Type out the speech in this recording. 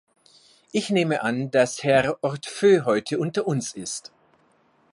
Ich nehme an, dass Herr Hortefeux heute unter uns ist.